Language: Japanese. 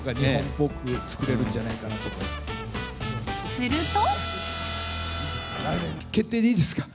すると。